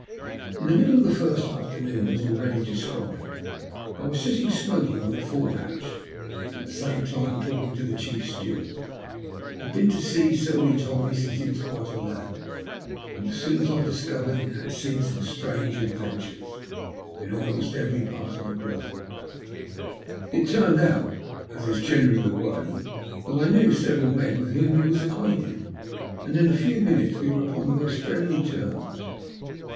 In the middle of the first afternoon, as already described, I was sitting smoking on the fore hatch, and at the same time talking to the chief steward. He had been to sea, so he told me, since he was quite a lad; and, as I soon discovered, had seen some strange adventures in almost every part of the globe. It soon turned out, as is generally the way, that I knew several men with whom he was acquainted, and in a few minutes we were upon the most friendly terms.